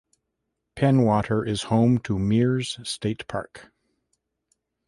Pentwater is home to Mears State Park.